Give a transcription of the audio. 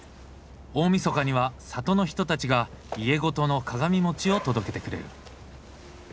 大みそかには里の人たちが家ごとの鏡餅を届けてくれる。